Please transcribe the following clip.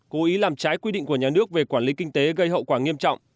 cố ý làm trái quy định của nhà nước về quản lý kinh tế gây hậu quả nghiêm trọng